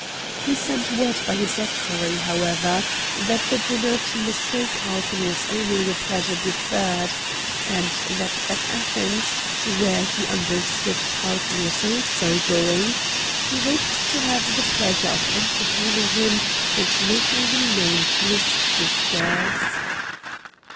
He sent word by his equerry, however, that the dinner to Mr. Carlton was only a pleasure deferred, and that at Athens, where he understood Carlton was also going, he hoped to have the pleasure of entertaining him and making him known to his sisters.